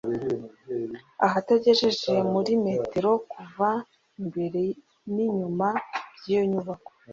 ahatagejeje muri metero kuva imbere ninyuma byiyo nyubako